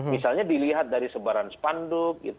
misalnya dilihat dari sebaran spanduk